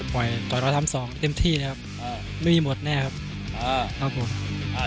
ไฟต์ต่อร้อยทำสองเต็มที่เลยครับอ่าไม่มีหมวดแน่ครับอ่า